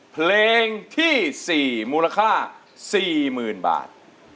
เพลงที่๔มูลค่า๔๐๐๐บาท